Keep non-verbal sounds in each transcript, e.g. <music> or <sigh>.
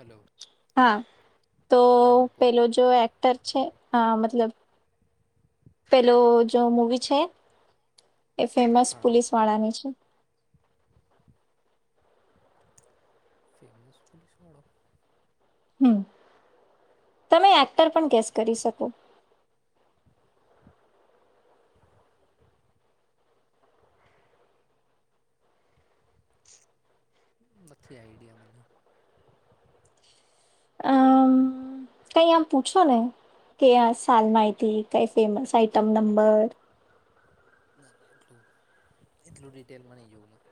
Hello હા તો હમ બોલ પેલો જો એક્ટર છે હ મતલબ. પેલો જો મુવી છે એ ફેમસ હા પોલીસ વાળાની છે. ફેમસ પોલીસવાળો. હમ્મ તમે એક્ટર પણ ગેસ કરી શકો. નથી આઈડિયા મને. અમ <unintelligible> કઈ આમ પૂછો ને કે આ સાલ માહી કઈ ફેમસ આઈટમ નંબર. ના એટલું એટલું ડિટેલ મને જોવું મારે.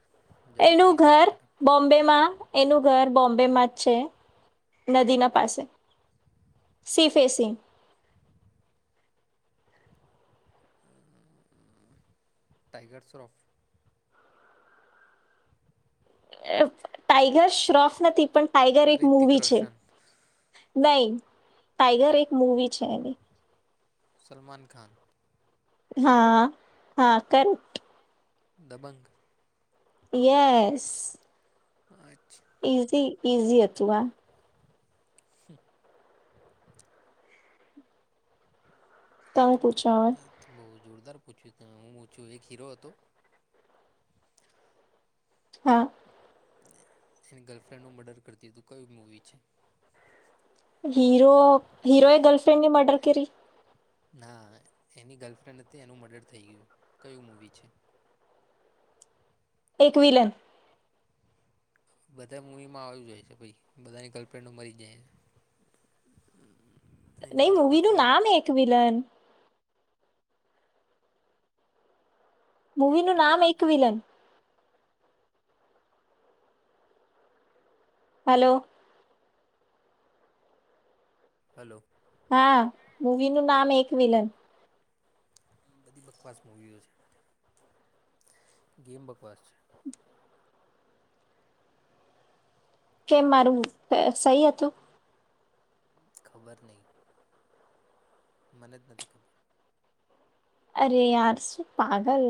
જવાબ એનું કહી દઉં ઘર ફટાફટ બોમ્બે માં. એનું ઘર બોમ્બેમાં જ છે નદીના પાસે. Sea facing tiger Shroff. Tiger Shroff નથી પણ ટાાઈગર એક રિતિક મૂવી છે. રોશન નહી ટાાઈગર એક મૂવી છે એની. સલમાન ખાન. હા હા કર. દબંગ. યસ. અચ્છા. ઈઝી ઈઝી હતું આ. તમે પૂછો હવે તો જોરદાર પૂછ્યું તું હું છું એક હીરો હતો. હા. જેની ગર્લફ્રેન્ડ નું મર્ડર કરતી તું કઈ મૂવી છે. હીરો હીરો એ ગર્લફ્રેન્ ની મડર્ર કરી. ના એની ગર્લફ્રેન્ડ હતી એનું મર્ડર થઈ ગયું કયું મૂવી છે. એક વિલન. બધા મૂવીમાં આવ્યું જ હોય છે ભાઈ બધાની ગર્લફ્રેન્ડો મરી જાય છે. હમ્મ. નહી મૂવી નું નામ એક વિલન. મૂવી નું નામ એક વિલન. હલો. હલો. હા મૂવી નું નામ એક વિલન બધી બકવાસ મૂવીઓ છે ગેમ બકવાસ છે. કેમ મારું સહી હતું. ખબર નહીં. મને જ નથી ખબર અરે યાર શું પાગલ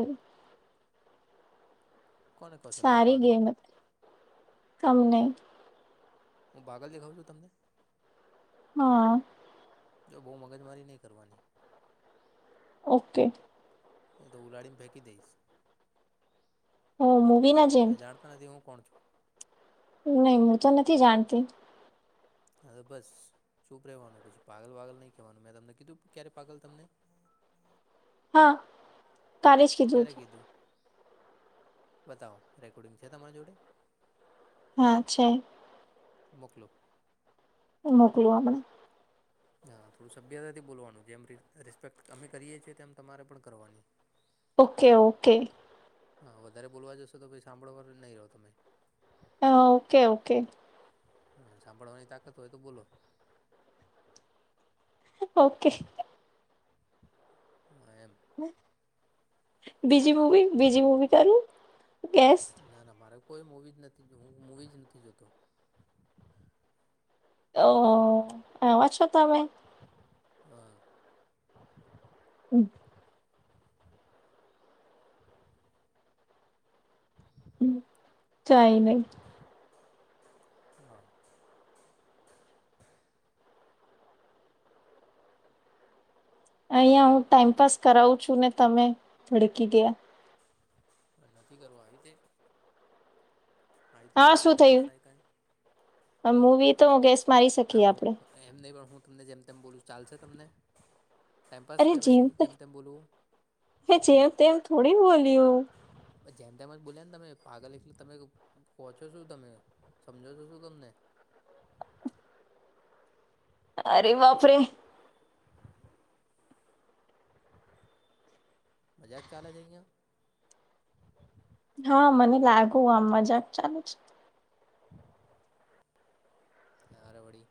કોને કહો છો તમે સારી પાગલ ગેમ હતી તમ ને હું પાગલ દેખાવું છું તમને હા. જો બહુ મગજમારી નહીં કરવાની ઓકે. એ તો ઉલાડીને ફેંકી દઈશ. હું મુવી ના જેમ નાથી હું કોણ છું નહી હું તો નથી જાણતી. હા તો બસ બપ રહેવાનું પછી પાગલ વાગલ નહી કહેવાનું મેં તમને કીધું ક્યારે પાગલ તમને હા. કાલે જ ક્યારે હતું કીધું બતાવો રેકોર્ડિંગ છે તમારા જોડે હા છે. મોકલો. મોકલું આપણે હા થોડું સભ્યતાથી બોલવાનું જેમ રિસ્પેક્ટ અમે કરીએ છીએ તેમ તમારે પણ કરવાની ઓકે ઓકે હા વધારે બોલવા જશો તો ભાઈ સાંભળવા પર નહિ રહો તમે. હા ઓકે ઓકે. હા સાંભળવાની તાકત હોય તો બોલો ઓકે. હા એમ. બીજી મૂવી બીજી મૂવી કરું કેસ ના ના મારે કોઈ મૂવી જ નથી હું મૂવી જ નથી જોતો ઓ હો વાછો તમે હા. હમ્મ. હ ચાઈ નીજ <inaudible> હા. અહિયા હું ટાઈમપાસ કરાવું છું ને તમે ભડકી ગયા. પણ નથી કરવા આવી તે આવી રીતે તો હા થોડી શું ટાઈમપાસ થાય થયું કઈ મૂવી તો હું ગેસ મારી હ શકીએ હું આપડે એમ નહીં પણ હું તમને જેમ તેમ બોલું ચાલશે તમને ટાઈમપાસ કહેવાય જેમ તેમ બોલવુ. હે જેમ તેમ થોડી બોલ્યું જેમ તેમ જ બોલ્યા ને તમે પાગલ એટલે તમે પહોંચો શું તમે સમજો છો શું તમને અરે બાપ રે. <inaudible> મજાક ચાલે છે અહીંયા. હા મને લાગુ આમ મજાક ચાલુ છે. <inaudible> તારે વડી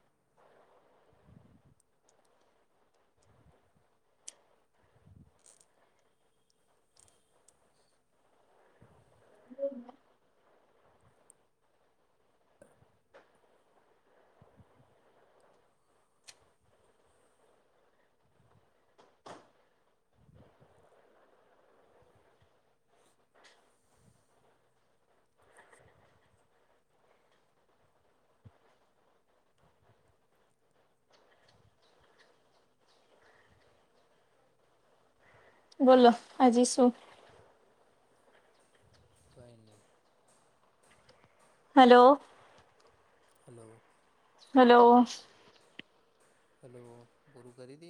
<inaudible> બોલો આજજી શું કોઈ નહી હલો હલો હલો.. હેલો ગુરુ કરી દ..